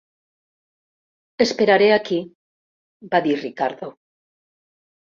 "Esperaré aquí", va dir Ricardo.